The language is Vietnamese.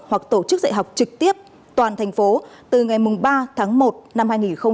hoặc tổ chức dạy học trực tiếp toàn thành phố từ ngày ba tháng một năm hai nghìn hai mươi